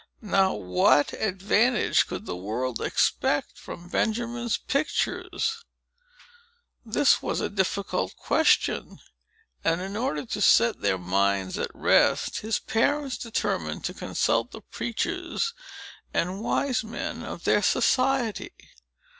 Now, what advantage could the world expect from Benjamin's pictures? This was a difficult question; and, in order to set their minds at rest, his parents determined to consult the preachers and wise men of their society.